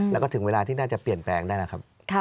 แล้วก็ถึงเวลาที่น่าจะเปลี่ยนแปลงได้นะครับ